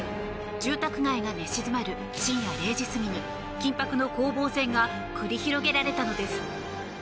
住宅街が寝静まる深夜０時過ぎに緊迫の攻防戦が繰り広げられたのです。